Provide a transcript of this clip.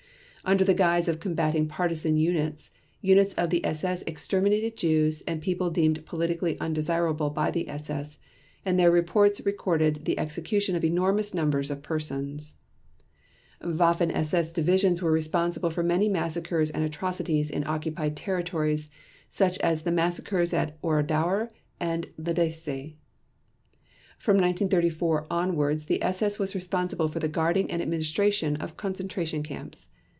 Under the guise of combatting partisan units, units of the SS exterminated Jews and people deemed politically undesirable by the SS, and their reports record the execution of enormous numbers of persons. Waffen SS divisions were responsible for many massacres and atrocities in occupied territories such as the massacres at Oradour and Lidice. From 1934 onwards the SS was responsible for the guarding and administration of concentration camps.